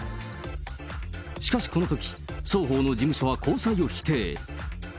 しかしこのとき、双方の事務所は交際を否定。